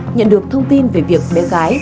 nhận được thông tin về việc bé gái